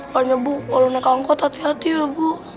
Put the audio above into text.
pokoknya bu kalau nak angkot hati hati ya bu